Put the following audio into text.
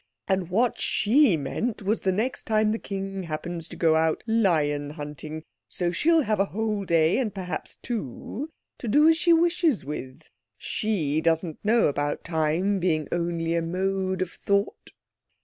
And what she meant was the next time the King happens to go out lion hunting. So she'll have a whole day, and perhaps two, to do as she wishes with. She doesn't know about time only being a mode of thought."